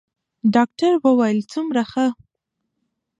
ډاکتر وويل څومره ښه.